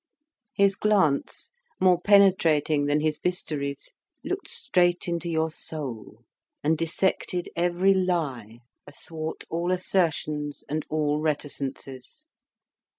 His glance, more penetrating than his bistouries, looked straight into your soul, and dissected every lie athwart all assertions and all reticences.